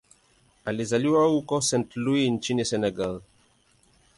Alizaliwa huko Saint-Louis nchini Senegal.